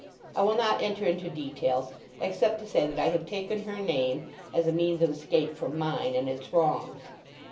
I will not enter into details except to say that I have taken her name—as a means of escape from mine, and its wrongs.